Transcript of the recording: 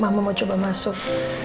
mama mau coba masuk